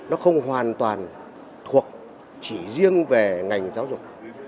nó không hoàn toàn thuộc chỉ riêng về ngành giáo dục